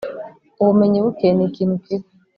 ubumenyi buke nikintu kibi